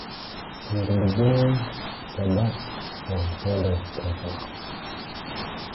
From the beginning Schubert was the head of the company.